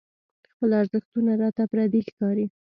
خپل ارزښتونه راته پردي ښکاري.